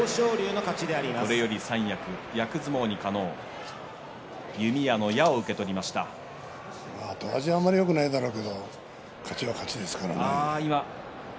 これより三役、役相撲にかのう、弓矢の矢を後味はあまりよくないけども勝ちは勝ちですからね。